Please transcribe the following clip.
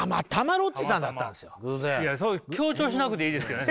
いやそう強調しなくていいですけどね